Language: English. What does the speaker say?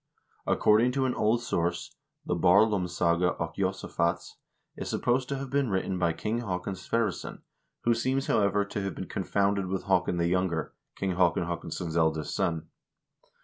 According to an old source the ' Barlaamssaga ok Josaphats,' is supposed to have been written by King Haakon Sverresson, who seems, however, to have been confounded with Haakon the Younger, King Haakon Haakonsson's eldest son."